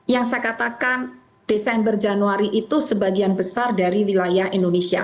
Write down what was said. yang saya katakan desember januari itu sebagian besar dari wilayah indonesia